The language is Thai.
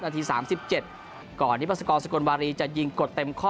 นาทีสามสิบเจ็ดก่อนนี้พระศกรสกลวารีจะยิงกดเต็มข้อ